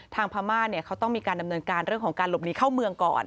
พม่าเนี่ยเขาต้องมีการดำเนินการเรื่องของการหลบหนีเข้าเมืองก่อน